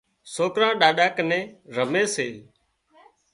سوڪران ڏاڏا ڪنين رمي سي